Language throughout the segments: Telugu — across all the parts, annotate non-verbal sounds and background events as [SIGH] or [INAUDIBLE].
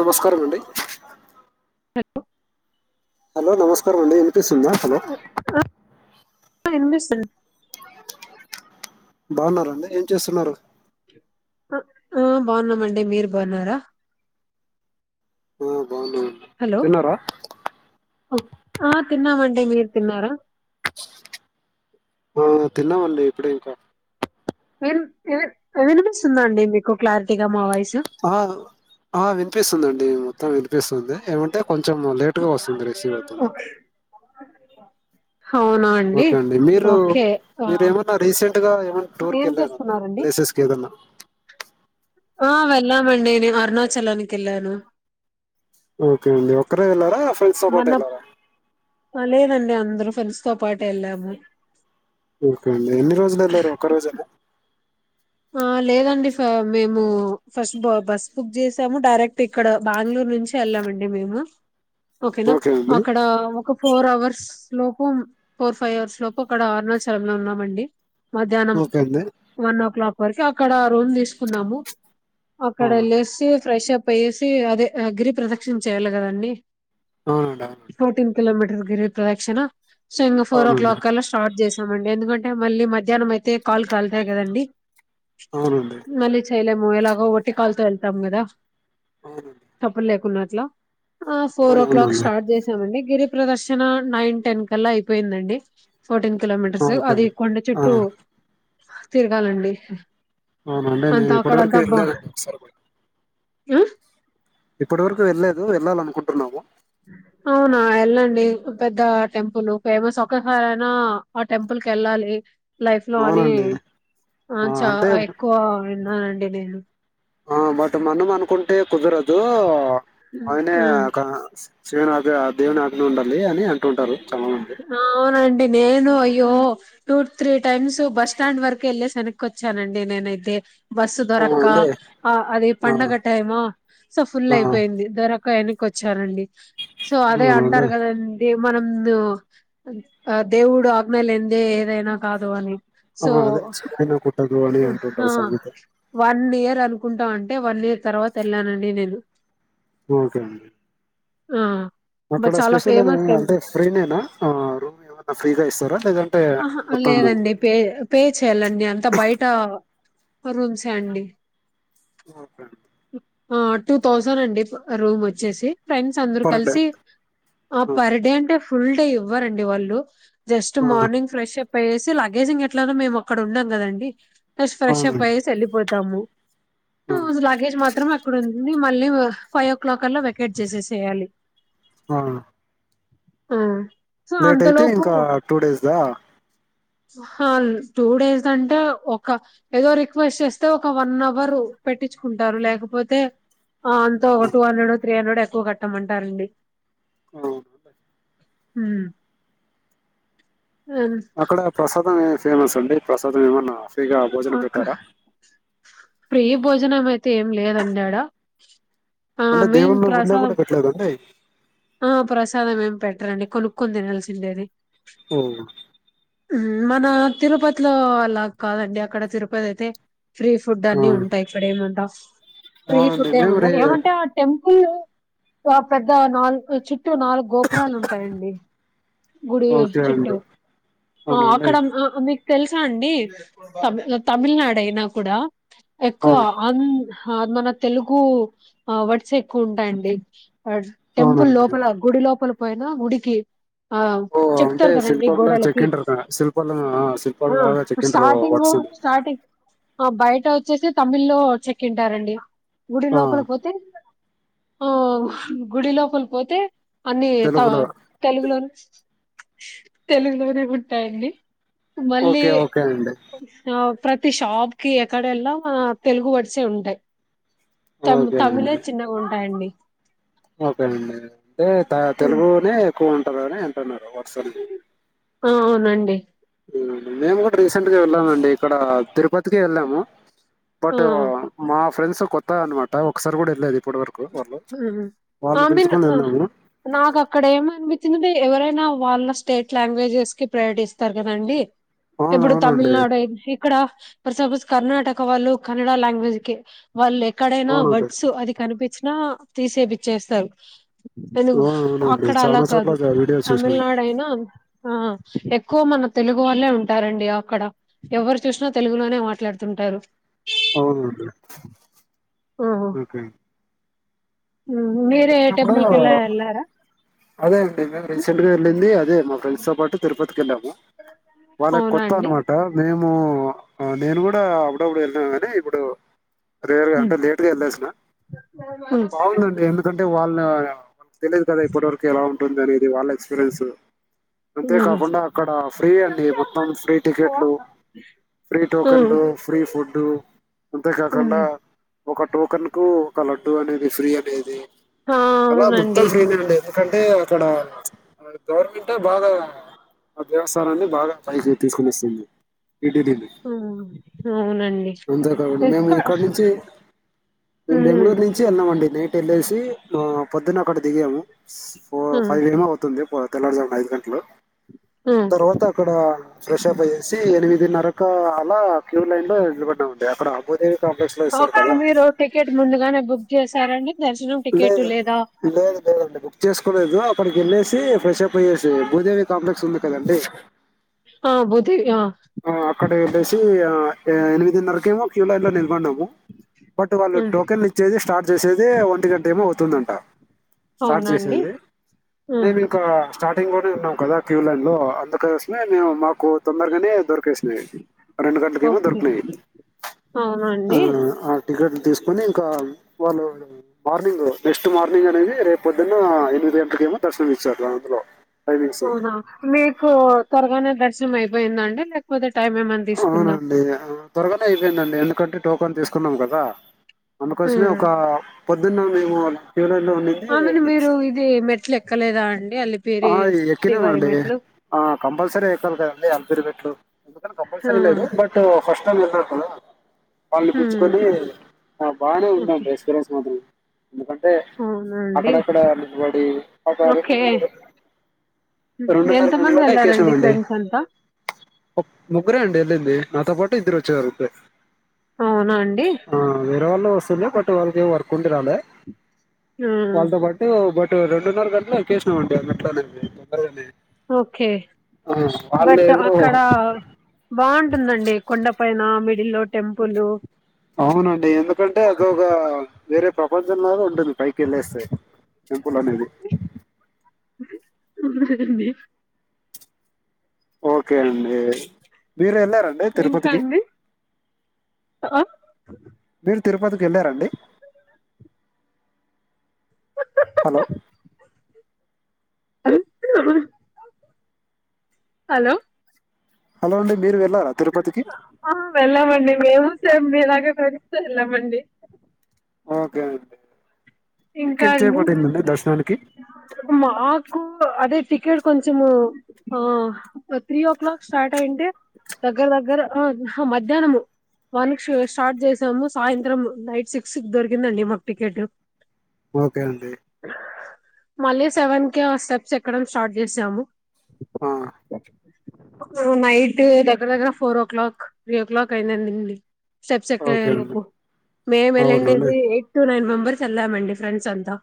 నమస్కారం అండి హలో హలో నమస్కారం అండి ఇనిపిస్తుందా హలో హ ఇనిపిస్తుంది బాగున్నారండి ఏం చేస్తున్నారు అ ఆ బాగున్నామండి మీరు బాగున్నారా ఆ బాగున్నామండి హలో తిన్నారా ఆ తిన్నామండి మీరు తిన్నారా ఆ తిన్నమండి ఇప్పుడే ఇంకా విం విం వినిపిస్తుందాండి మీకు క్లారిటీగా మా వాయిస్ ఆవ్ ఆ వినిపిస్తుందండి మొత్తం వినిపిస్తుంది ఏమంటే కొంచెం లేటుగా వస్తుంది రిసీవ్ అవుతుందంతే ఓకే అండి మీరు ఓకే ఆ మీరమన్నా రీసెం ట్ గా ఏమన్నా టూర్ కి ఏం వెళ్ళారండి చేస్తున్నారండి ప్లేసెస్ కి ఏదన్నా ఆ వెళ్ళామండి నేను అరుణాచలానికి వెళ్ళాను సోపోటెల్లారా హ లేదండి అందరూ ఫ్రెంస్ తో పాటేళ్ళము ఓకే అండి ఎన్ని రోజులు వెళ్లారు ఒక్కరోజేన ఆ లేదండి సా మేము ఫస్ట్ బ బస్ బుక్ జేసాము డైరెక్ట్ ఇక్కడ బ్యాంగ్ల్యూర్ నుంచి వెళ్ళామండి మేము ఓకేనా ఓకే అండి అక్కడ ఒక ఫోర్ హవర్స్ లోపు ఫోర్ ఫైవ్ అవర్స్ లోపు అక్కడ అరుణాచలం లో ఉన్నామండి మధ్యాహ్నం ఓకే అండి వన్ ఓ క్లాక్ వరకి అక్కడ రూమ్ తీసుకున్నాము ఆ, అక్కడ వెళ్ళేసి ఫ్రెష్ అప్ అయ్యేసి అదే గిరి ప్రదక్షిణ చేయ్యాలి గదండి అవుడ కిలోమీటర్ గిరి ప్రదక్షణ సో ఇంకా ఫోర్ ఓ అవునండి క్లాక్ కల్లా స్టార్ట్ చేస్ స్తామండి ఎందుకంటే మళ్ళీ మధ్యాహ్నం అయితే కాల్ కళ్తాయి కదండి అవునండి వెళ్ళీ చేయలేము ఎలాగో వట్టి కాల్ తో వెళ్తాము కదా అవునండి తప్ప లేకుండా అట్లా ఆ ఫోర్ ఓ క్లాక్ అవునవునండి స్టార్ట్ చేశామండి గిరి ప్రదర్శన నైన్ టెన్ కల్లా అయిపోయిందండి ఫోర్టీన్ కిలోమీటర్స్ ఓకే అది అండి కొండ ఆ చుట్టూ తిరగాలండి అవునండి అంతా మేము ఇప్పుడవరకు అక్కడంతా ఎల్లేదు అండీ ఆ ఇప్పటి వరకు వెళ్ళలేదు వెళ్ళాలనుకుంటున్నాము అవునా ఎళ్ళండి పెద్ద టెంపుల్ ఫేమస్ ఒకసారైనా ఆ టెంపుల్ కెళ్ళాలి లైఫ్ లో అని అవునండి ఆ చా ఎక్కువ విన్నానండి నేను ఆ బట్ మనం అనుకుంటే కుదరదు హ్మ్. ఆయనే ఆ కా శివునాజ్ఞా ఆ దేవుని ఆజ్ఞ ఉండాలి అని అంటుంటారు చాలా మంది ఆవునండి నేను యి య్యో టూ త్రీ టైమ్స్ బస్స్టాండ్ వరకు ఎళ్లేసి వెనక్కోచ్చానండి నేనైతే బస్సు దొరక్క అవునండి ఆ అది ఆ పండగ టైమ్ సో ఫుల్ ఆ అయిపోయింది దొరక్క వె క్కొచ్చానండి సో అదే అవునండి అంటారు కాదండి మనం ఆ దేవుడు ఆగ్ఞలేందే ఏదైనా కాదు అని ఆ సో అదే చెప్పిన కుట్టదు అని హ హ అంటుంటారు సామెత వన్ ఇయర్ రనుకుంటాం అంటే వన్ ఇయర్ తర్వాత వెళ్ళానండి నేను ఓకే ఆ బట్ అక్కడ చాలా స్పెషల్ ఫేమస్ అంటే టెంపుల్ ఫ్రీనేేనా ఆ రూమ్ ఏవన్నా ఫ్రీగా ఇస్తారా లేదంటే ఆహా అ మొత్తం లేదండి పే పే చేయ్యాలండి అంతా బయట ఫోర్ రూమ్స్ హే అండి ఓకే ఆ టూ థౌసండ్ అండి రూమ్ వచ్చేసి ఫ్రెండ్స్ అందరు పర్ డే కలిసి ఆ పర్ డే అంటే ఫుల్ డే ఇవ్వరండి వాళ్ళు జస్ట్ ఆ మార్నింగ్ ఫ్రెష్ అయ్యేసి లగేజింగ్ ఎట్లైనా మేము అక్కడ ఉండం కదండి ఫస్ట్ ఫ్రెష్ అప్ అవునండి అయ్యేసి వెళ్ళిపోతాము ఆ లగేజ్ మాత్రమే అక్కడ ఉంది మళ్ళీ మళ్ళీ ఫైవ్ ఓ క్లాక్ కల్ల వెకేట్ చేసేసేయాలి ఆ ఆ సో లేట్ అయితే ఇంకా టూ డేస్ దా అ హ టూ డేస్ దంటే ఒక ఏదో రిక్వెస్ట్ చేస్తే ఒక వన్ అవర్ పెట్టించుకుంటారు లేకపోతే ఆ అంతో ఒక టూ హండ్రెడో త్రీ హండ్రెడో ఎక్కువ కట్టమంటారండి ఆ ఉమ్ అక్కడ ప్రసాదం ఏమి ఫేమస్ అండి ప్రసాదం ఏమన్నా ఫ్రీగా భోజనం అక్క పెట్టారా ఫ్రీ భోజనం అయితే ఏం లేదండి ఆడా అంటే దేవుణ్ణి గుడీలో కూడా పెట్టలేదండి ఆ ప్రసాదం ఏం పెట్టరండి కొనుక్కొని తినాల్సిందె అది ఓ ఉమ్ మన తిరుపతిలో అలాగ కాదండి అక్కడ తిరుపతి అయితే ఫ్రీ ఫుడ్ అన్ని ఆ ఉంటాయి. ఇక్కడేమంటా ఫ్రీ అవునండి ఫుడ్ ఏమి మేము రే ఉండదు. ఏమంటే ఆ టెం పెద్ద నాలుగు చి చుట్టూ నాలుగు గోపురాలుంటాయండి గుడి ఓకే చుట్టూ అండి ఆ అవునండి అక్కడ అమీ తెలుసా అండి త తమిళనాడు అయినా కూడా ఆ ఎక్కువ అన్ మన తెలుగు వర్డ్స్ ఎక్కువ ఉంటాయండి టె టెంపుల్ అవునండి లోపల గుడి లోపల పోయినా గుడికి ఆ ఓ అంటే చెప్తారు కదండి శిల్పంలా గోడలకి చెక్కింటారు కదా శిల్పంలో ఆ శిల్పంలాగా చెక్కింటారు స్టార్టింగ్ వర్డ్స్ ని స్టార్టింగ్ ఆ బయట వచ్చేసి తమిళ్ లో చెక్ంటారండి గుడి ఆ లోపలి పోతే ఆ గుడి లోపలి పోతే అన్ని త తెలుగులో తెలుగులోని తెలుగులోనే ఉంటాయండి మళ్ళీ ఓకే ఓకే అండి ఆ ప్రతి షాప్ కి ఎక్కడెల్లా తెలుగు వర్డ్స్ ఏ ఉంటాయ్ తమ్ ఓకే తమిళే చిన్నగ ఉంటాయండి ఓకేనండి అంటే తెలుగునే ఎక్కువ ఉంటారు కాని న వాట్సలు ఆ అవునండి మేము కూడా రీసెంట్ గా వెళ్ళామండి. ఇక్కడ తిరుపతికి వెళ్ళాము. ఆ బట్ మా ఫ్రెండ్స్ కొత్తా అనమాట ఒకసారి కూడా వెళ్ళలేదు. ఉహు ఆమెన్ పిలుచుకొని వెళ్ళాము. నాకు అక్కడ ఏమో అనిపించిందిటె ఎవరైనా వాళ్ళ స్టేట్ లాంగ్వేజెస్ కి ప్రయరిటిస్తారు కదండి. ఇప్పుడు అవునవునండి. తమిళనాడు అయి ఇక్కడ సపోజ్ కర్ణాటక వాళ్ళు కన్నడ లాంగ్వేజ్ కి వాళ్ళు ఎక్కడైనా అవునండి. వర్డ్స్ అది కనిపి నా తీసేపిచ్చేస్తారు. తెలుగు అవునవునండి. అక్కడ అలా చాలా చోట్ల కాదు జ వీడియోస్ చూసినాను. తమిళనాడు అయినా ఆ ఎక్కువ మన తెలుగు వాళ్ళలే ఉంటారండి. అక్కడ ఎవరు చూసినా తెలుగులోనే మాట్లాడుతుంటారు. అవునండి ఓహో ఓకే మీరే వెళ్ళినప్పుడు టెంపుల్ కల్ల ఎల్లారా అదే అండి మేము రీసెంట్ గా వెళ్ళింది. అదే మా ఫ్రెండ్స్ తో పాటు తిరుపతికి వెళ్ళాము. వాళ్ళకి అవునా కొత్త అండి అనమాట మేము నేను కూడా అప్పుడప్పుడు వెళ్నాను కానీ ఇప్పుడు రేర్ గా అంటే ఉమ్, లేట్ గా వెల్లేసిన ఉమ్, బట్ ఉమ్, బాగుందండి. ఎందుకంటే వాళ్ళు నా తెలిదు కదా ఇప్పటి వరకు ఎలా ఉంటుంది అనేది వాళ్ళ ఎక్స్పీరియన్స్ ఉమ్, అంతేకాకుండా అక్కడ ఫ్రీ అండి మొత్తం ఫ్రీ టికెట్లు ఫ్రీ టోకన్లు ఫ్రీ ఫుడ్ అంతేకాకుండా ఉమ్. ఒక టోకన్ కు ఒక లడ్డూ అనేది ఫ్రీ అనేది ఆ అలా మొత్తం అవునండి ఫ్రీ అండే ఎందుకంటే అక్కడ గవర్నమెంట్ బాగా ఆ దేవస్థానాన్ని బాగా పైకి తీసుకుని వస్తుంది. టిటిడి ది ఉమ్, అవునండి అంతే కాబట్టి మేము ఎక్కడ ఇక్కడ నుంచి మేము ఉమ్, బెంగళూరు నుంచి వెన్నమండి నైట్ వెళ్ళేసి పొద్దున్న అక్కడ దిగాము. ఫోర్ ఉమ్, ఫైవ్ ఏమో అవుతుంది పో తెల్లరుజామున ఐదు గంటలు ఉమ్. తర్వాత అక్కడ ఫ్రెష్ప్ అయ్యేసి, ఎనిమిదిన్నరక అలా క్యూలైన్ లో నిలబడ్డామ్ ఓకే మీరు టికెట్ ముందుగానే బుక్ చేసారండి. దర్శనం టికెట్ లేదు లేదా లేదు లేదండి. బుక్ చేసుకోలేదు. అప్పడికీ వెళ్లేసి ఫ్రెష్ప్ పోయేసి భూదేవి కాంప్లెక్స్ ఉంది కదండి. ఆ బుధి ఆ అక్కడికి వెల్లేసి ఆ ఎనిమిదిన్నరక ఏమో క్యూ లైన్ లో నిలకొన్నాము. బట్ వాళ్ళు ఉమ్, టోకెన్ ఇచ్చేది స్టార్ట్ చేసేది వన్ గంట ఏమో అవుతుందంట స్టార్ట్ అవునండి చేసేది ఉమ్, మేమి ఇంకా స్టార్టింగ్ లోనే ఉన్నాం కదా క్యూలైన్ లో అందుక కోసమే నేను మాకు తొందరగానే దొరికేసినాయి రెండు గంటలకేమో ఓకే దొరికినయ్ అవునండి ఆ టికెట్ లు తీసుకొని ఇంకా వాళ్ళు మార్నింగ్ నెక్స్ట్ మార్నింగ్ అనేది రేపొద్దున ఎనిమిది ట్లకేమో దర్శనం ఇచ్చారు అందులో టైమింగ్స్. అవునా మీకు త్వరగానే దర్శనం అయిపోయింద అండి. లేకపోతే టైం ఏమన్నా తీసుకుందా అవునండి త్వరగానే అయిపోయిందండి. ఎందుకంటే టోకెన్ తీసుకున్నాం కదా. అందుకోసమే ఉమ్. ఒకా పొద్దున్నే మేము క్యూ లైన్‌లో ఆమెను ఉండింది మీరు ఇది మెట్లెక్కలేదా అండి అలి ఆ ఎక్కినమండి ఆ కంపల్సరీ ఎక్కాలి కదండి అల్పిరి మెట్లు ఎందుకని ఆ కంపల్సరి లేదు బట్ ఫస్ట్ టైమ్ ఎల్లినాం కదా వాళ్ళని హ్మ్ పిల్చుకొని ఆ బాగానే ఓకే ఉందండి ఎక్స్పీరియన్స్ మాత్రం ఎందుకంటే అవునా అండి అక్కడక్కడ నిలబడి ఓకే [UNINTELLIGIBLE] రెండున్నర ఎంత మంది గంటలోనే వెళ్లారండి ఎక్కేసినమండి ఫ్రెండ్స్ అంతా ముగ్గురే అండి ఎల్లింది నాతో పాటు ఇద్దరు వచ్చారు అంతే అవునా అండి ఆ వేరే వాళ్ళ వస్సుండే బట్ వాళ్ళకి వర్క్ కుండిరాలే హ్మ్ వాళ్ళతో పాటు బట్ రెండున్నర గంటలో ఎక్కేసినమం గా మెట్లనేవి తొందరగనే ఓకే బట్ ఏదో అక్కడా బాగుంటుందండి కొండ పైన మిక్ లో టెంపులు అవునండి ఎందుకంటే అదొగ వేరే ప్రపంచంలాగ ఉంటుంది పైకెళ్ళేస్తే టెంపులనేది అవునండి ఓకే అండి మీరెళ్ళార్ అండి ఇంకా తిరుపతికి అండి ఆ మీర్ తిరుపతికెళ్ళారండి హలో హాల్లో హలో హలో అండి మీర్ వెల్ ఆ వెళ్ళామండి మేము సేంమీలాగే ఫ్రెండ్స్ తో వెళ్ళామండి ఓకే అండి ఇంకా మీకెంత సేపు అండి పట్టిందండి దర్శనానికి? మాకు అదే టికెట్ కొంచమూ ఆ త్రీ ఓ క్లాక్ స్టార్ట్ అయింటే దగ్గర దగ్గర మధ్యాహ్నము వన్ స్టార్ట్ చేసాము సాయంత్రం నైట్ సిక్స్ దొరికిందండి మాకు టికెట్ ఓకే అండి మళ్ళీ సెవెన్కే ఆ స్టెప్స్ ఎక్కడం స్టార్ట్ చేసాము ఆ నైట్ దగ్గర దగ్గర four o'clock three o'clock అయిందండి స్టెప్స్ ఎక్కే ఓకే అండి. లోపు మేము అవునండి. వెళ్లిండేది ఎయిట్ టు నైన్ మెంబర్స్ వెళ్ళామండి ఫ్రెండ్స్ అంతా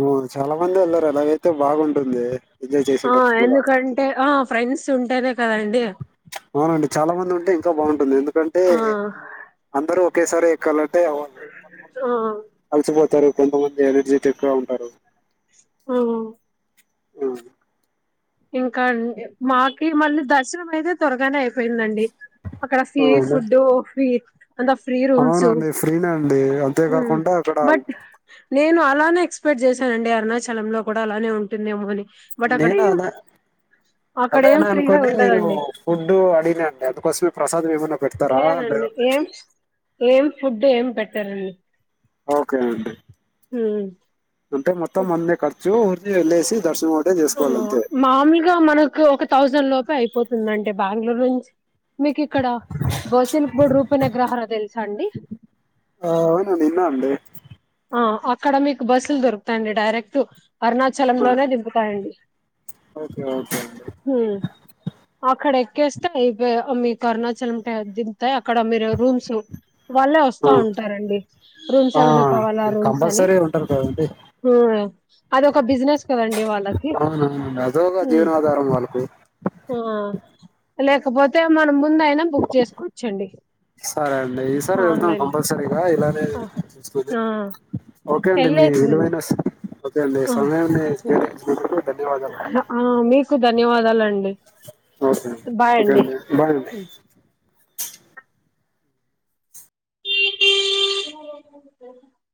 ఓ చాలా మంది వెళ్లారు అలాగైతే బాగుంటుంది ఎంజాయ్ ఆ చేసింటారు ఫుల్‌గా. ఎందుకంటే ఆ ఫ్రెండ్స్ ఉంటేనే కదండి అవునండి చాలా మంది ఉంటే ఇంకా బాగుంటుంది ఎందుకంటే ఆ అందరు ఒకేసారి ఎక్కాలంటే అవ్వదు ఆ అల్సిపోతరు కొంతమంది ఎనర్జిటెక్గా ఉంటారు ఆహ్ ఆ ఇంకాండి మాకి మళ్ళీ దర్శనం అయితే త్వరగానే అయిపోయిందండి అక్కడ సీ అవునండి ఫుడ్ ఫ్రీ అంత ఫ్రీ రూమ్స్ అవునండి ఫ్రీనే అండి ఉమ్ అంతేకాకుండా అక్కడ బట్ నేను అలానే ఎక్స్పెక్ట్ చేశానండి అరుణచలంలో గుడ అలానె ఉంటుందేమో అని బట్ అక్కడ ఎం అదేననే అనుకొని నేను ఉండదండి ఫుడ్ అడిగిన అండి అందుకొసమే ప్రసాదం ఎవన్ లెదండి ఏం ఏం ఫుడ్ ఏం పెట్టరండి ఓకే అండి అంటే మొత్తం అన్ని కర్ సో ఊర్కే వెల్లేసి దర్శనం ఒకటే చేసుకోవాలి అంతే మాముల్గ మనకు ఒక థౌజండ్ లోపే అయిపోతుంది అంటె బెంగళూర్ నుంచి మిక్ ఇక్కడ బసిల్ బొడ్ రూప అనెగ్రహార అని తెల్స అండి ఆ ఆవును విన్న అండి ఆ అక్కడ మీక్ బస్సుల్ దొరుకుతయ్డి డైరెక్ట్ ఆ! అరుణచలంలొనే దింపుతయండి ఓకే ఓకే అండి ఉమ్ అక్కడ ఏ స్తయ్ బె అ మిక్ అరుణచల్ క దింప్తయ్ అక్కడ మీరు రూమ్స్ వాళ్ళే ఇస్త ఉంటారండి రూమ్స్ ఆ ఆ! ఏమైన కావాలా రూమ్స్ అని కంపల్సరీ ఉంటారు కదండి ఉమ్ అది ఒక్క బుసినెస్ కదండి వాళ్ళకి అవునవునండి అదోక ఆ జీవనాధారం వాళ్ళకు ఉ ఆ లేకపొతే మనం ముందైన బుక్ చేసుకోవచ్చండి సరే అండి ఈసారి వెల్తం ఆన్లైన్ కంపల్సరీగ ఎల వెల్ అన్ చుస్తున ఆ ఓకే అండి మీ వెళ్ళేసిరండి విలువైన సమయాన్ని మాకు ఇచ్చినందుకు ధన్యవాదాలు అ ఆ మీకు ధన్యవాదలండి ఓకేండి ఓకేనండి బాయ్ అండి హ్మ్. [INAUDIBLE]